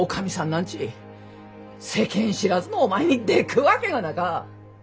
なんち世間知らずのお前にでくっわけがなか！